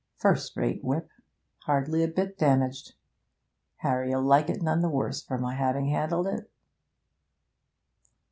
'First rate whip; hardly a bit damaged. Harry'll like it none the worse for my having handselled it.'